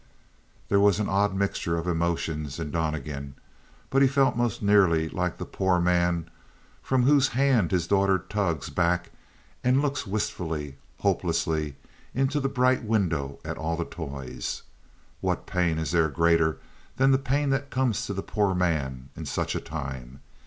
There was an odd mixture of emotions in Donnegan; but he felt most nearly like the poor man from whose hand his daughter tugs back and looks wistfully, hopelessly, into the bright window at all the toys. What pain is there greater than the pain that comes to the poor man in such a time?